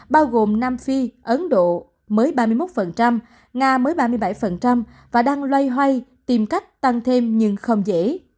bao gồm nam phi ấn độ mới ba mươi một nga mới ba mươi bảy và đang loay hoay tìm cách tăng thêm nhưng không dễ